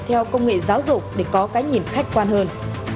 theo công nghệ giáo dục để có cái nhìn khách quan hơn